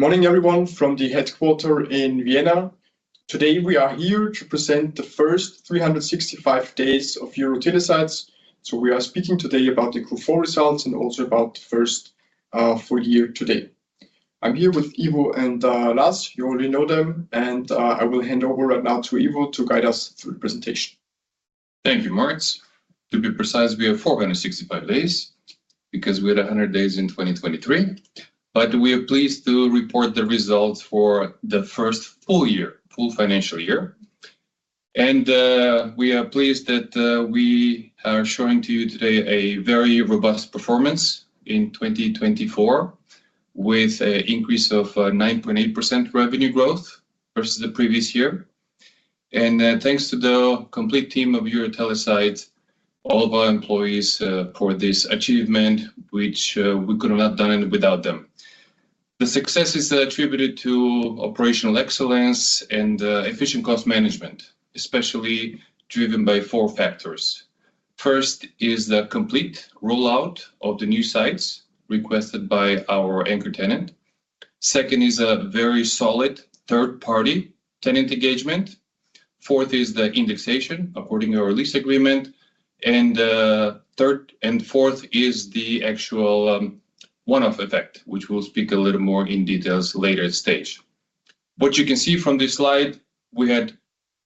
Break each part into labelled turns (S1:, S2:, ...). S1: Good morning, everyone, from the headquarters in Vienna. Today we are here to present the first 365 days of EuroTeleSites. So we are speaking today about the Q4 results and also about the first full year today. I'm here with Ivo and Lars, you already know them, and I will hand over right now to Ivo to guide us through the presentation.
S2: Thank you, Moritz. To be precise, we have 465 days because we had 100 days in 2023, but we are pleased to report the results for the first full year, full financial year, and we are pleased that we are showing to you today a very robust performance in 2024 with an increase of 9.8% revenue growth versus the previous year, and thanks to the complete team of EuroTeleSites, all of our employees for this achievement, which we could not have done without them. The success is attributed to operational excellence and efficient cost management, especially driven by four factors. First is the complete rollout of the new sites requested by our anchor tenant. Second is a very solid third-party tenant engagement. Fourth is the indexation according to our lease agreement. And third and fourth is the actual one-off effect, which we'll speak a little more in detail later stage. What you can see from this slide, we had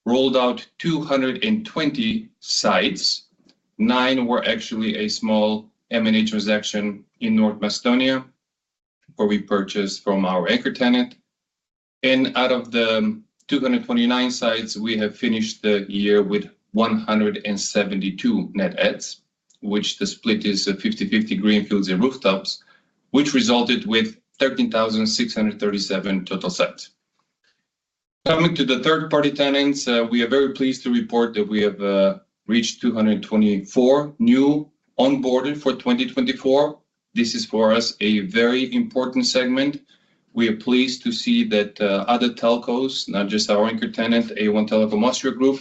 S2: rolled out 220 sites. Nine were actually a small M&A transaction in North Macedonia where we purchased from our anchor tenant. And out of the 229 sites, we have finished the year with 172 net adds, which the split is 50/50 greenfields and rooftops, which resulted with 13,637 total sites. Coming to the third-party tenants, we are very pleased to report that we have reached 224 new onboarded for 2024. This is, for us, a very important segment. We are pleased to see that other telcos, not just our anchor tenant, A1 Telekom Austria Group,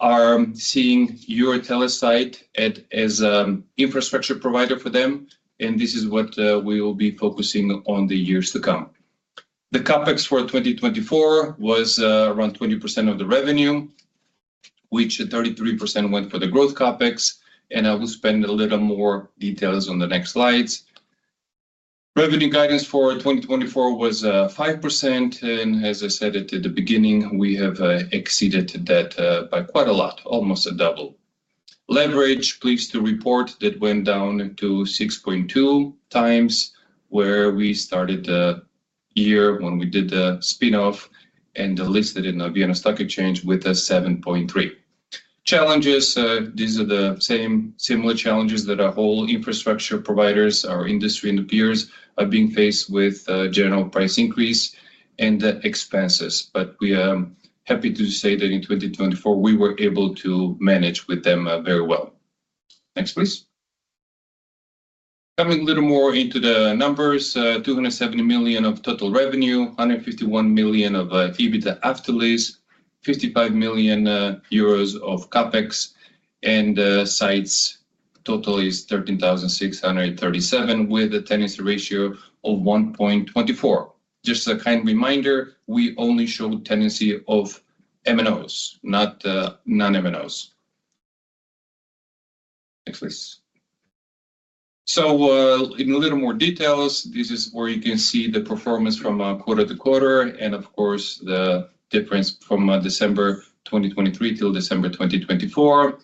S2: are seeing EuroTeleSites as an infrastructure provider for them. And this is what we will be focusing on the years to come. The CapEx for 2024 was around 20% of the revenue, which 33% went for the growth CapEx. And I will spend a little more details on the next slides. Revenue guidance for 2024 was 5%. And as I said at the beginning, we have exceeded that by quite a lot, almost a double. Leverage, pleased to report, that went down to 6.2 times where we started the year when we did the spinoff and listed in the Vienna Stock Exchange with a 7.3. Challenges, these are the same similar challenges that our whole infrastructure providers, our industry and peers are being faced with: general price increase and expenses. But we are happy to say that in 2024, we were able to manage with them very well. Next, please. Coming a little more into the numbers, 270 million of total revenue, 151 million of EBITDA after lease, 55 million euros of CapEx, and sites total is 13,637 with a tenancy ratio of 1.24. Just a kind reminder, we only show tenancy of MNOs, not non-MNOs. Next, please. So in a little more detail, this is where you can see the performance from quarter to quarter. And of course, the difference from December 2023 till December 2024.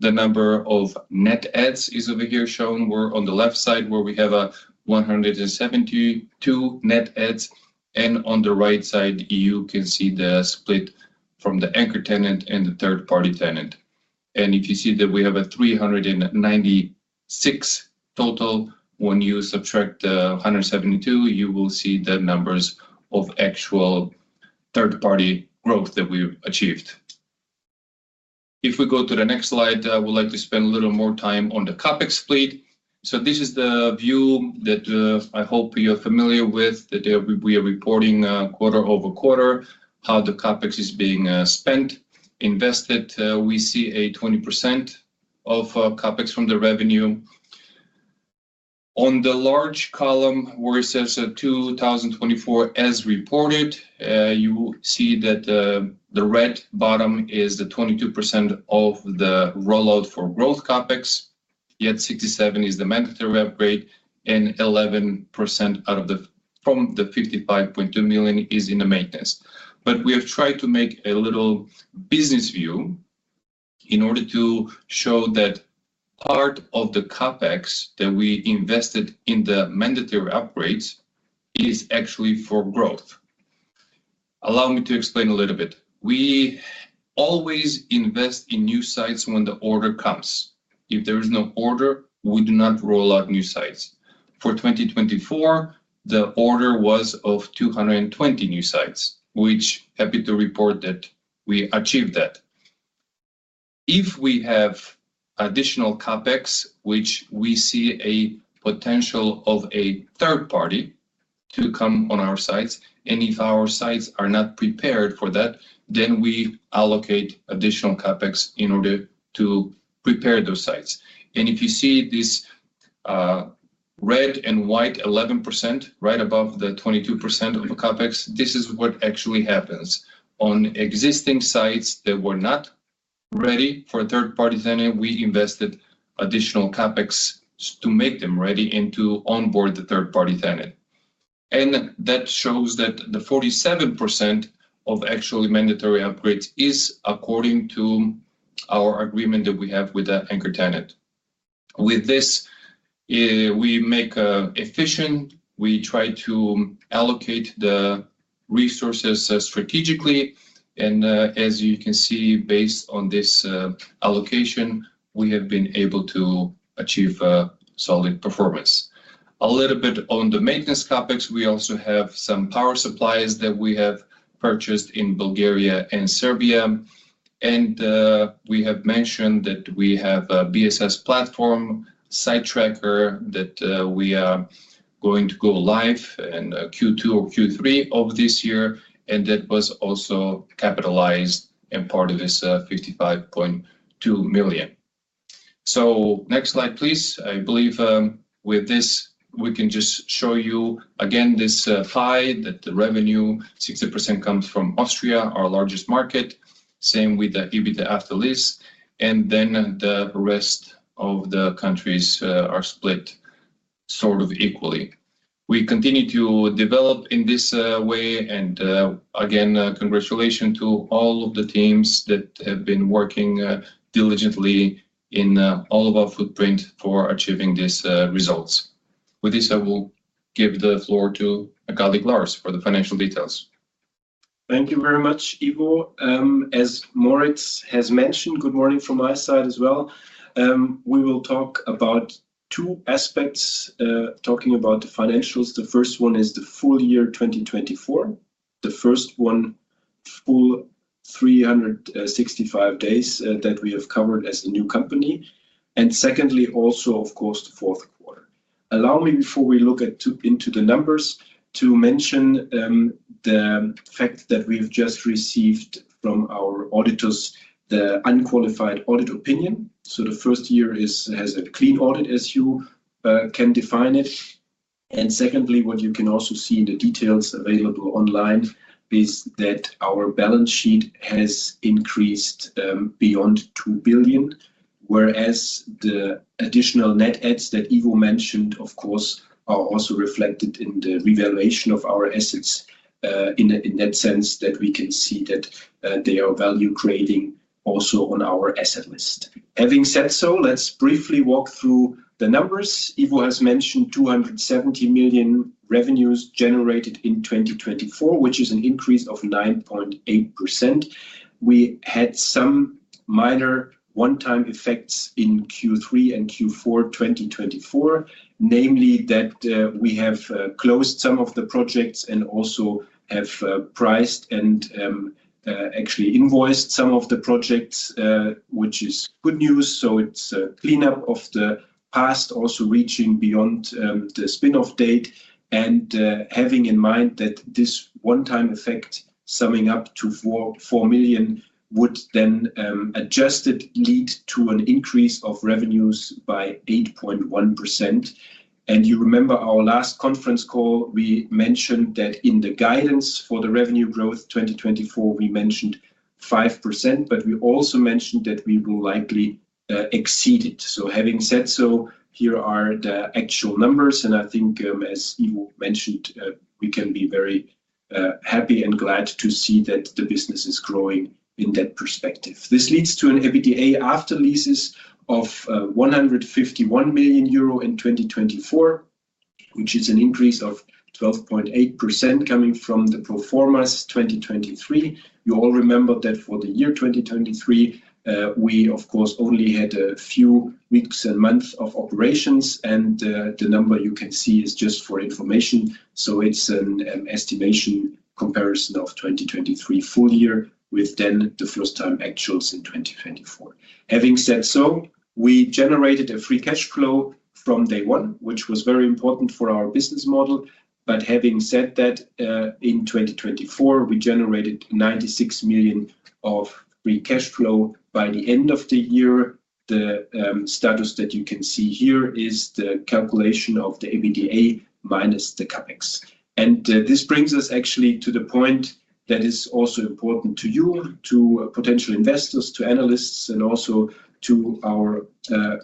S2: The number of net adds is over here shown. We're on the left side where we have 172 net adds. And on the right side, you can see the split from the anchor tenant and the third-party tenant. And if you see that we have 396 total, when you subtract 172, you will see the numbers of actual third-party growth that we achieved. If we go to the next slide, I would like to spend a little more time on the CapEx split. So this is the view that I hope you're familiar with, that we are reporting quarter over quarter how the CapEx is being spent, invested. We see 20% of CapEx from the revenue. On the large column where it says 2024 as reported, you see that the red bottom is the 22% of the rollout for growth CapEx. Yet 67% is the mandatory upgrade, and 11% out of the 55.2 million is in the maintenance. But we have tried to make a little business view in order to show that part of the CapEx that we invested in the mandatory upgrades is actually for growth. Allow me to explain a little bit. We always invest in new sites when the order comes. If there is no order, we do not roll out new sites. For 2024, the order was of 220 new sites, which I'm happy to report that we achieved that. If we have additional CapEx, which we see a potential of a third party to come on our sites, and if our sites are not prepared for that, then we allocate additional CapEx in order to prepare those sites. And if you see this red and white 11% right above the 22% of CapEx, this is what actually happens. On existing sites that were not ready for a third-party tenant, we invested additional CapEx to make them ready and to onboard the third-party tenant. And that shows that the 47% of actual mandatory upgrades is according to our agreement that we have with the anchor tenant. With this, we make efficient, we try to allocate the resources strategically. As you can see, based on this allocation, we have been able to achieve solid performance. A little bit on the maintenance CapEx, we also have some power supplies that we have purchased in Bulgaria and Serbia. We have mentioned that we have a BSS platform, Sitetracker that we are going to go live in Q2 or Q3 of this year. That was also capitalized and part of this 55.2 million. Next slide, please. I believe with this, we can just show you again this slide that the revenue, 60% comes from Austria, our largest market, same with the EBITDA after lease. Then the rest of the countries are split sort of equally. We continue to develop in this way. Again, congratulations to all of the teams that have been working diligently in all of our footprint for achieving these results. With this, I will give the floor to my colleague Lars for the financial details.
S3: Thank you very much, Ivo. As Moritz has mentioned, good morning from my side as well. We will talk about two aspects, talking about the financials. The first one is the full year 2024, the first one, full 365 days that we have covered as a new company, and secondly, also, of course, the fourth quarter. Allow me, before we look into the numbers, to mention the fact that we've just received from our auditors the unqualified audit opinion, so the first year has a clean audit, as you can define it, and secondly, what you can also see in the details available online is that our balance sheet has increased beyond 2 billion, whereas the additional net adds that Ivo mentioned, of course, are also reflected in the revaluation of our assets in that sense that we can see that they are value creating also on our asset list. Having said so, let's briefly walk through the numbers. Ivo has mentioned 270 million revenues generated in 2024, which is an increase of 9.8%. We had some minor one-time effects in Q3 and Q4 2024, namely that we have closed some of the projects and also have priced and actually invoiced some of the projects, which is good news. So it's a cleanup of the past, also reaching beyond the spinoff date. And having in mind that this one-time effect summing up to 4 million would then adjusted, lead to an increase of revenues by 8.1%. And you remember our last conference call, we mentioned that in the guidance for the revenue growth 2024, we mentioned 5%, but we also mentioned that we will likely exceed it. So having said so, here are the actual numbers. I think, as Ivo mentioned, we can be very happy and glad to see that the business is growing in that perspective. This leads to an EBITDA after leases of 151 million euro in 2024, which is an increase of 12.8% coming from the pro forma 2023. You all remember that for the year 2023, we, of course, only had a few weeks and months of operations. The number you can see is just for information. It's an estimation comparison of 2023 full year with then the first-time actuals in 2024. Having said so, we generated a free cash flow from day one, which was very important for our business model. But having said that, in 2024, we generated 96 million EUR of free cash flow by the end of the year. The status that you can see here is the calculation of the EBITDA minus the CapEx. This brings us actually to the point that is also important to you, to potential investors, to analysts, and also to our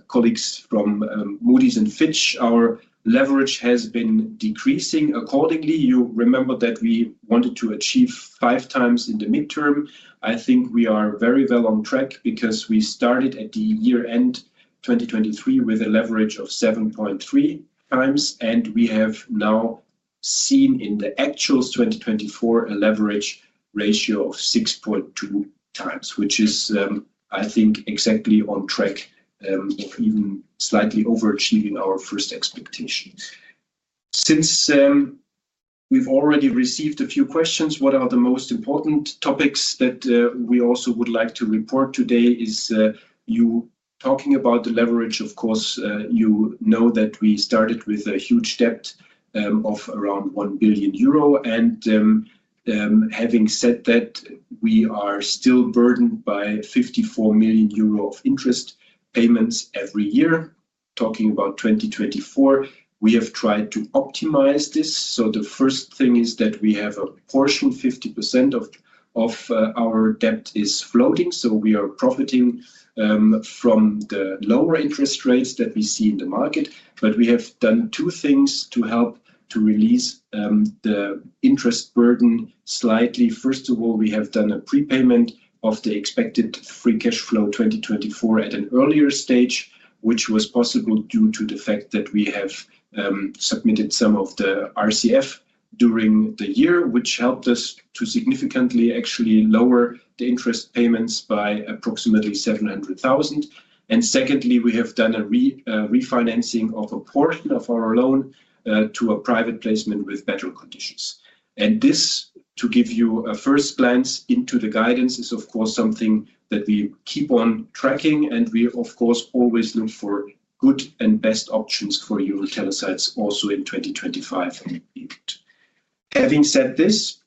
S3: colleagues from Moody's and Fitch. Our leverage has been decreasing accordingly. You remember that we wanted to achieve five times in the midterm. I think we are very well on track because we started at the year end 2023 with a leverage of 7.3x. We have now seen in the actuals 2024 a leverage ratio of 6.2x, which is, I think, exactly on track, even slightly overachieving our first expectations. Since we've already received a few questions, what are the most important topics that we also would like to report today is you talking about the leverage. Of course, you know that we started with a huge debt of around 1 billion euro. And having said that, we are still burdened by 54 million euro of interest payments every year. Talking about 2024, we have tried to optimize this. So the first thing is that we have a portion, 50% of our debt is floating. So we are profiting from the lower interest rates that we see in the market. But we have done two things to help to release the interest burden slightly. First of all, we have done a prepayment of the expected free cash flow 2024 at an earlier stage, which was possible due to the fact that we have submitted some of the RCF during the year, which helped us to significantly actually lower the interest payments by approximately 700,000. And secondly, we have done a refinancing of a portion of our loan to a private placement with better conditions. This, to give you a first glance into the guidance, is, of course, something that we keep on tracking. And we, of course, always look for good and best options for EuroTeleSites also in 2025. Having said this,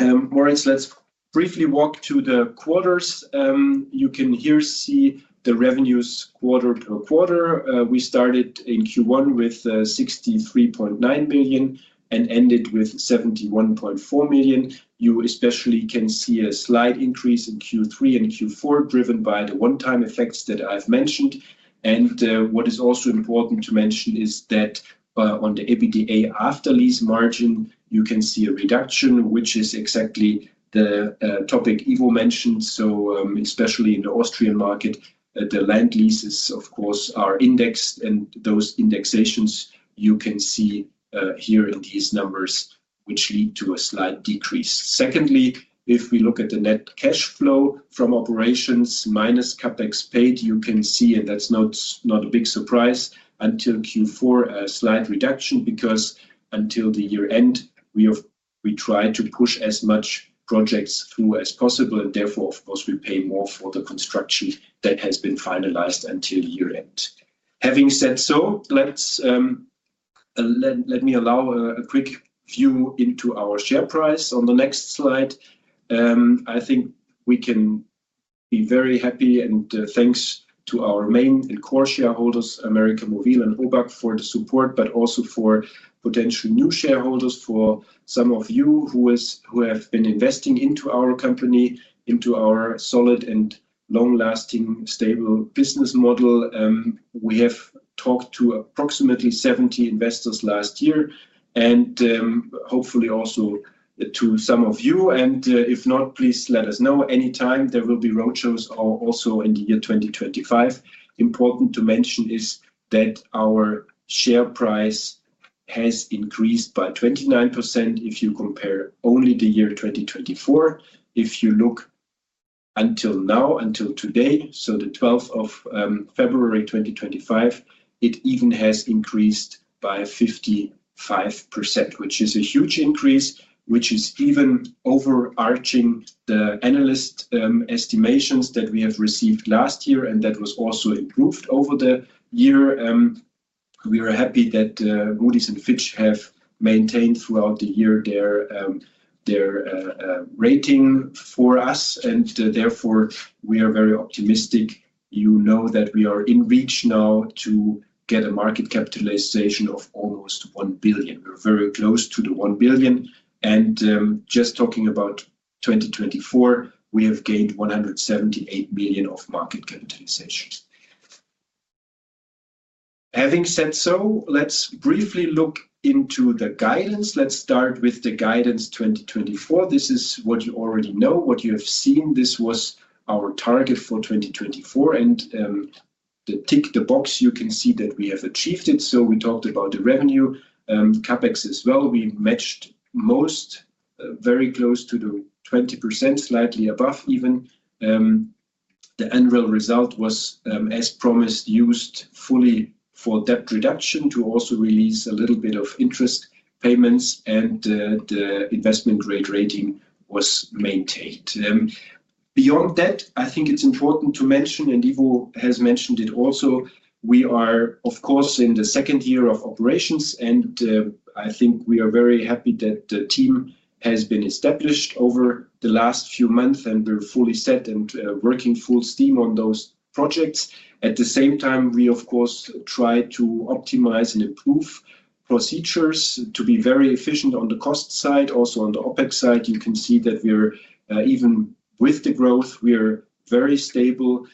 S3: Moritz, let's briefly walk to the quarters. You can here see the revenues quarter to quarter. We started in Q1 with 63.9 million and ended with 71.4 million. You especially can see a slight increase in Q3 and Q4 driven by the one-time effects that I've mentioned. And what is also important to mention is that on the EBITDA after lease margin, you can see a reduction, which is exactly the topic Ivo mentioned. So especially in the Austrian market, the land leases, of course, are indexed. And those indexations, you can see here in these numbers, which lead to a slight decrease. Secondly, if we look at the net cash flow from operations minus CapEx paid, you can see, and that's not a big surprise, until Q4, a slight reduction because until the year end, we tried to push as much projects through as possible. And therefore, of course, we pay more for the construction that has been finalized until year end. Having said so, let me allow a quick view into our share price on the next slide. I think we can be very happy, and thanks to our main and core shareholders, América Móvil and ÖBAG, for the support, but also for potential new shareholders, for some of you who have been investing into our company, into our solid and long-lasting, stable business model. We have talked to approximately 70 investors last year and hopefully also to some of you, and if not, please let us know. Anytime, there will be roadshows also in the year 2025. Important to mention is that our share price has increased by 29% if you compare only the year 2024. If you look until now, until today, so the 12th of February 2025, it even has increased by 55%, which is a huge increase, which is even overarching the analyst estimations that we have received last year. And that was also improved over the year. We are happy that Moody's and Fitch have maintained throughout the year their rating for us. And therefore, we are very optimistic. You know that we are in reach now to get a market capitalization of almost one billion. We're very close to the one billion. And just talking about 2024, we have gained 178 million of market capitalization. Having said so, let's briefly look into the guidance. Let's start with the guidance 2024. This is what you already know, what you have seen. This was our target for 2024. And to tick the box, you can see that we have achieved it. So we talked about the revenue, CapEx as well. We matched most, very close to the 20%, slightly above even. The annual result was, as promised, used fully for debt reduction to also release a little bit of interest payments. And the investment grade rating was maintained. Beyond that, I think it's important to mention, and Ivo has mentioned it also, we are, of course, in the second year of operations. And I think we are very happy that the team has been established over the last few months and we're fully set and working full steam on those projects. At the same time, we, of course, try to optimize and improve procedures to be very efficient on the cost side, also on the OpEx side. You can see that we're even with the growth, we're very stable.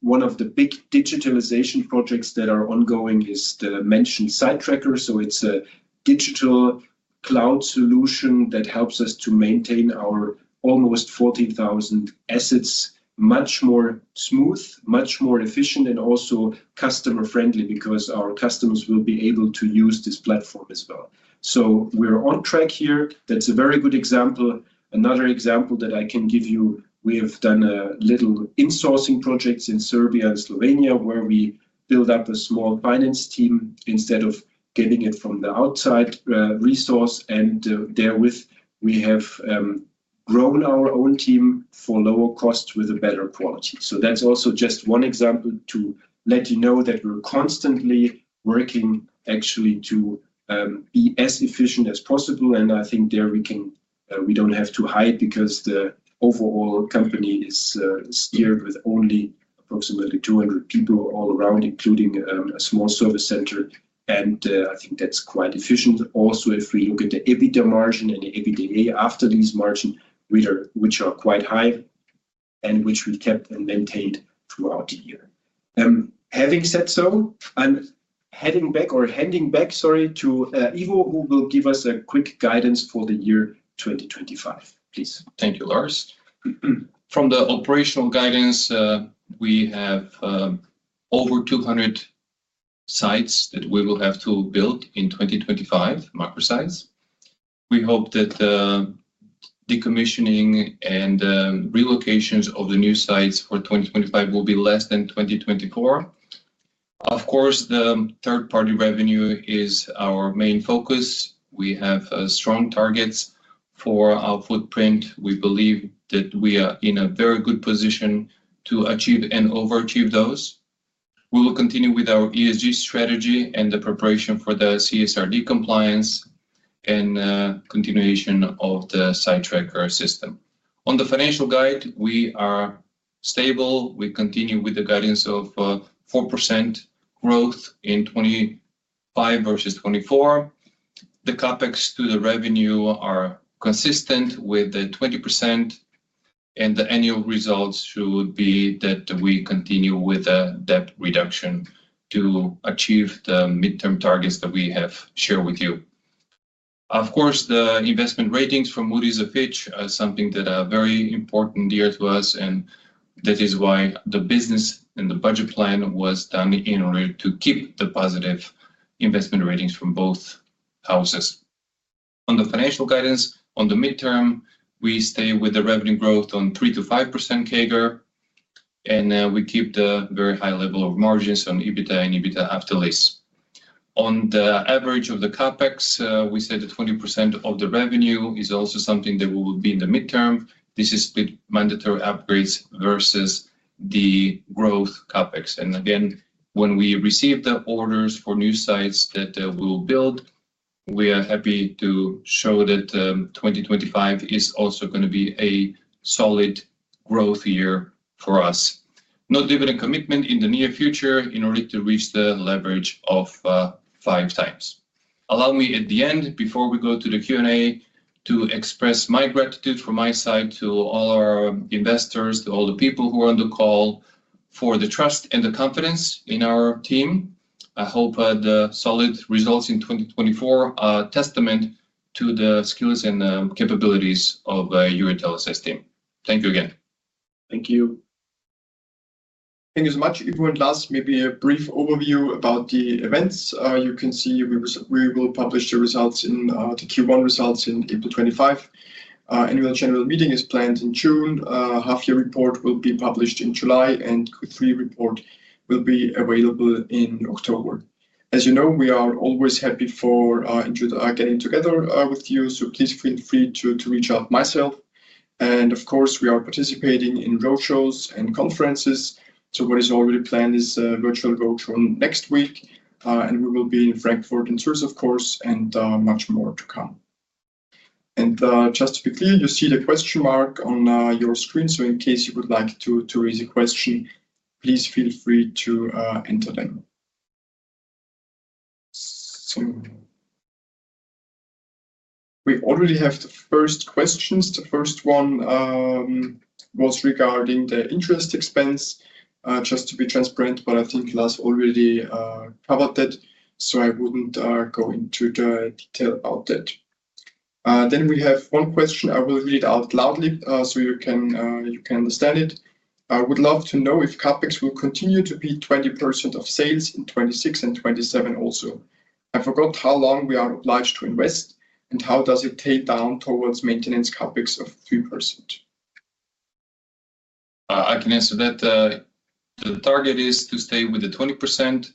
S3: One of the big digitalization projects that are ongoing is the mentioned Sitetracker. So it's a digital cloud solution that helps us to maintain our almost 14,000 assets much more smooth, much more efficient, and also customer-friendly because our customers will be able to use this platform as well. So we're on track here. That's a very good example. Another example that I can give you, we have done a little insourcing projects in Serbia and Slovenia where we build up a small finance team instead of getting it from the outside resource. And therewith, we have grown our own team for lower cost with a better quality. So that's also just one example to let you know that we're constantly working actually to be as efficient as possible. And I think there we don't have to hide because the overall company is steered with only approximately 200 people all around, including a small service center. And I think that's quite efficient. Also, if we look at the EBITDA margin and the EBITDA after lease margin, which are quite high and which we kept and maintained throughout the year. Having said so, I'm heading back or handing back, sorry, to Ivo, who will give us a quick guidance for the year 2025, please.
S2: Thank you, Lars. From the operational guidance, we have over 200 sites that we will have to build in 2025, microsites. We hope that decommissioning and relocations of the new sites for 2025 will be less than 2024. Of course, the third-party revenue is our main focus. We have strong targets for our footprint. We believe that we are in a very good position to achieve and overachieve those. We will continue with our ESG strategy and the preparation for the CSRD compliance and continuation of the Sitetracker system. On the financial guide, we are stable. We continue with the guidance of 4% growth in 2025 versus 2024. The CapEx to the revenue are consistent with the 20%, and the annual results should be that we continue with the debt reduction to achieve the midterm targets that we have shared with you. Of course, the investment ratings from Moody's and Fitch are something that are very important here to us, and that is why the business and the budget plan was done in order to keep the positive investment ratings from both houses. On the financial guidance, on the midterm, we stay with the revenue growth on 3%-5% CAGR. And we keep the very high level of margins on EBITDA and EBITDA after lease. On the average of the CapEx, we said that 20% of the revenue is also something that will be in the midterm. This is with mandatory upgrades versus the growth CapEx. And again, when we receive the orders for new sites that we will build, we are happy to show that 2025 is also going to be a solid growth year for us. No dividend commitment in the near future in order to reach the leverage of five times. Allow me at the end, before we go to the Q&A, to express my gratitude from my side to all our investors, to all the people who are on the call for the trust and the confidence in our team. I hope the solid results in 2024 are a testament to the skills and capabilities of
S1: Thank you so much. Ivo and Lars, maybe a brief overview about the events. You can see we will publish the results in the Q1 results in April 25. Annual General Meeting is planned in June. Half-Year Report will be published in July, and Q3 report will be available in October. As you know, we are always happy for getting together with you, so please feel free to reach out myself, and of course, we are participating in roadshows and conferences. What is already planned is a virtual roadshow next week. And we will be in Frankfurt and Zurich, of course, and much more to come. And just to be clear, you see the question mark on your screen. So in case you would like to raise a question, please feel free to enter them. We already have the first questions. The first one was regarding the interest expense. Just to be transparent, but I think Lars already covered that. So I wouldn't go into the detail about that. Then we have one question. I will read it out aloud so you can understand it. I would love to know if CapEx will continue to be 20% of sales in 2026 and 2027 also. I forgot how long we are obliged to invest and how does it take down towards maintenance CapEx of 3%.
S2: I can answer that. The target is to stay with the 20%.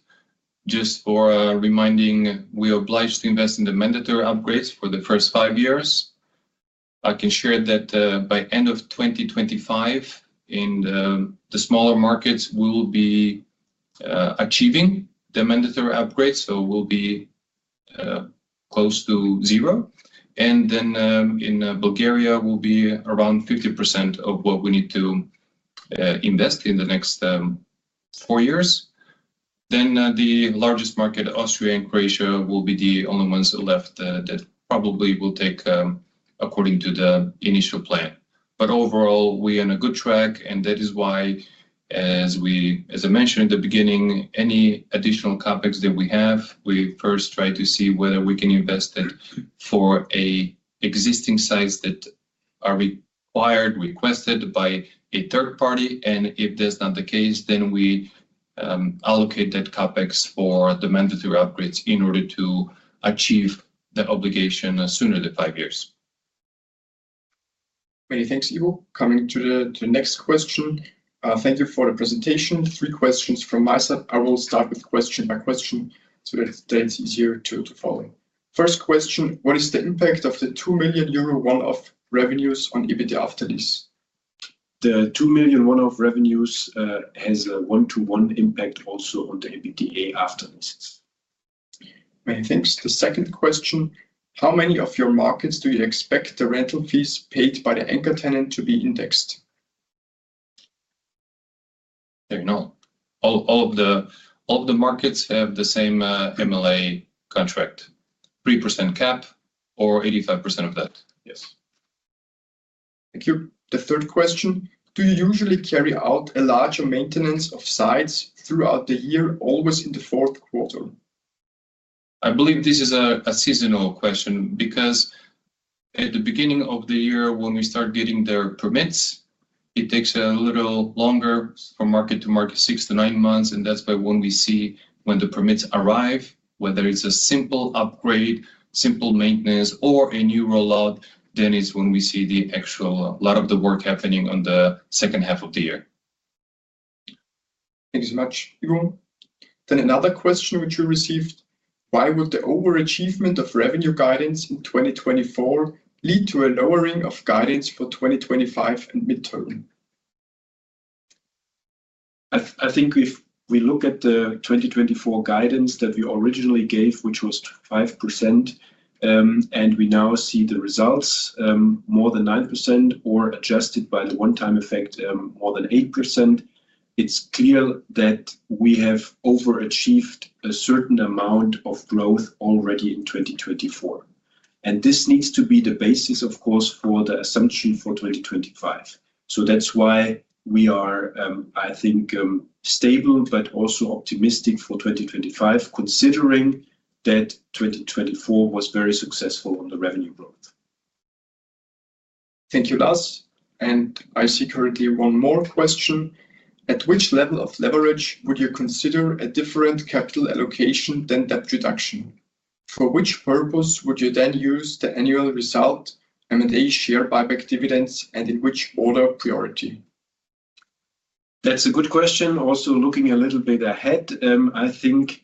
S2: Just for reminding, we are obliged to invest in the mandatory upgrades for the first five years. I can share that by end of 2025, in the smaller markets, we will be achieving the mandatory upgrades. So we'll be close to zero, and then in Bulgaria, we'll be around 50% of what we need to invest in the next four years, then the largest market, Austria and Croatia, will be the only ones left that probably will take according to the initial plan, but overall, we are on a good track, and that is why, as I mentioned in the beginning, any additional CapEx that we have, we first try to see whether we can invest it for existing sites that are required, requested by a third party. If that's not the case, then we allocate that CapEx for the mandatory upgrades in order to achieve the obligation sooner than five years.
S1: Many thanks, Ivo. Coming to the next question. Thank you for the presentation. Three questions from my side. I will start with question by question so that it's easier to follow. First question, what is the impact of the 2 million euro one-off revenues on EBITDA after lease? The 2 million one-off revenues has a one-to-one impact also on the EBITDA after leases. Many thanks. The second question, how many of your markets do you expect the rental fees paid by the anchor tenant to be indexed? There you know. All of the markets have the same MLA contract, 3% cap or 85% of that. Yes. Thank you. The third question: Do you usually carry out a larger maintenance of sites throughout the year, always in the fourth quarter?
S2: I believe this is a seasonal question because at the beginning of the year, when we start getting their permits, it takes a little longer from market to market, six to nine months. And that's why when we see when the permits arrive, whether it's a simple upgrade, simple maintenance, or a new rollout, then it's when we see the actual lot of the work happening on the second half of the year.
S1: Thank you so much, Ivo. Then another question which we received: Why would the overachievement of revenue guidance in 2024 lead to a lowering of guidance for 2025 and midterm?
S3: I think if we look at the 2024 guidance that we originally gave, which was 5%, and we now see the results more than 9% or adjusted by the one-time effect more than 8%, it's clear that we have overachieved a certain amount of growth already in 2024, and this needs to be the basis, of course, for the assumption for 2025, so that's why we are, I think, stable, but also optimistic for 2025, considering that 2024 was very successful on the revenue growth.
S1: Thank you, Lars, and I see currently one more question. At which level of leverage would you consider a different capital allocation than debt reduction? For which purpose would you then use the annual result, M&A share buyback dividends, and in which order priority? That's a good question.
S3: Also looking a little bit ahead, I think,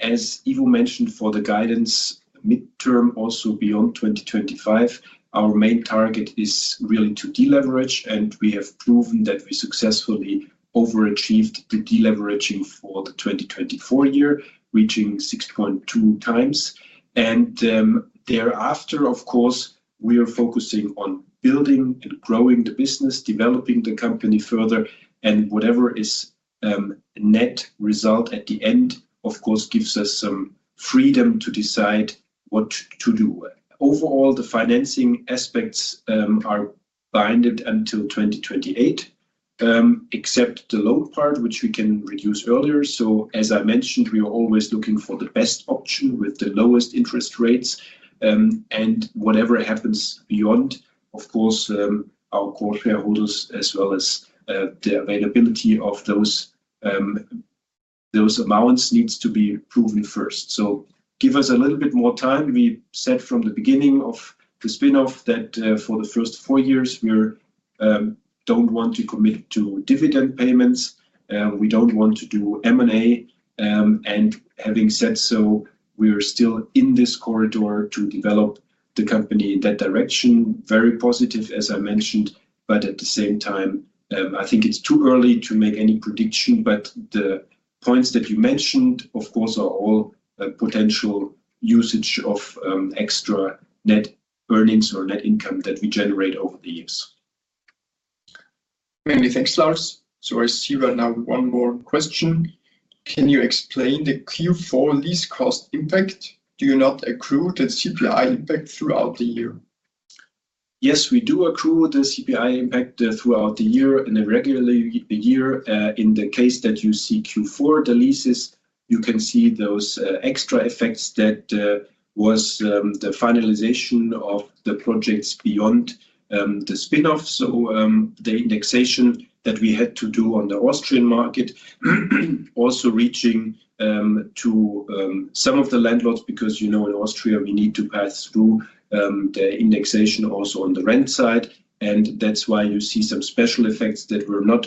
S3: as Ivo mentioned for the guidance midterm, also beyond 2025, our main target is really to deleverage. And we have proven that we successfully overachieved the deleveraging for the 2024 year, reaching 6.2 times. And thereafter, of course, we are focusing on building and growing the business, developing the company further. And whatever is net result at the end, of course, gives us some freedom to decide what to do. Overall, the financing aspects are bound until 2028, except the loan part, which we can reduce earlier. So as I mentioned, we are always looking for the best option with the lowest interest rates. And whatever happens beyond, of course, our core shareholders, as well as the availability of those amounts needs to be proven first. So give us a little bit more time. We said from the beginning of the spinoff that for the first four years, we don't want to commit to dividend payments. We don't want to do M&A. And having said so, we are still in this corridor to develop the company in that direction. Very positive, as I mentioned. But at the same time, I think it's too early to make any prediction. But the points that you mentioned, of course, are all potential usage of extra net earnings or net income that we generate over the years.
S1: Many thanks, Lars. So I see right now one more question. Can you explain the Q4 lease cost impact? Do you not accrue the CPI impact throughout the year?
S3: Yes, we do accrue the CPI impact throughout the year and regularly the year. In the case that you see Q4, the leases, you can see those extra effects that was the finalization of the projects beyond the spinoff. So the indexation that we had to do on the Austrian market, also reaching to some of the landlords, because in Austria, we need to pass through the indexation also on the rent side. And that's why you see some special effects that were not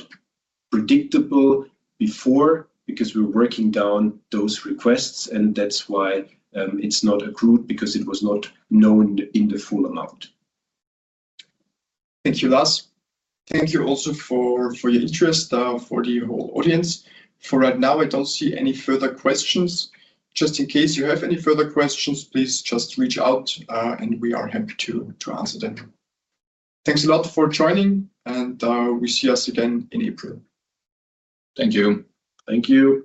S3: predictable before because we were working down those requests. And that's why it's not accrued because it was not known in the full amount.
S1: Thank you, Lars. Thank you also for your interest for the whole audience. For right now, I don't see any further questions. Just in case you have any further questions, please just reach out and we are happy to answer them. Thanks a lot for joining and we see us again in April. Thank you.
S3: Thank you.